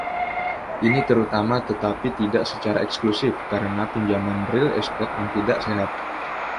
Ini terutama, tetapi tidak secara eksklusif, karena pinjaman real estat yang tidak sehat.